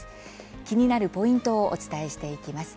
気になるポイントをお伝えしていきます。